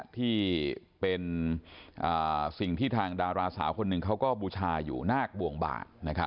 ที่เป็นสิ่งที่ทางดาราสาวคนหนึ่งเขาก็บูชาอยู่นาคบวงบาด